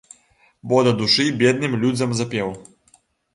Бо да душы бедным людзям запеў.